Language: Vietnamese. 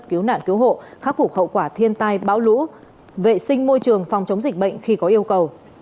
cứu nạn cứu hộ khắc phục hậu quả thiên tai bão lũ vệ sinh môi trường phòng chống dịch bệnh khi có yêu cầu